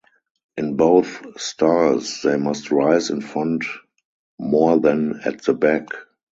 In both styles, they must rise in front more than at the back.